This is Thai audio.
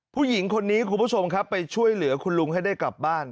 ผู้หญิงคนนี้คุณผู้ชมครับไปช่วยเหลือคุณลุงให้ได้กลับบ้าน